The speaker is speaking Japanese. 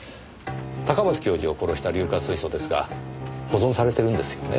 高松教授を殺した硫化水素ですが保存されてるんですよね？